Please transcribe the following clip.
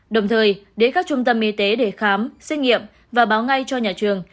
đồng thời đến các trung tâm y tế để khám xét nghiệm và báo ngay cho nhà trường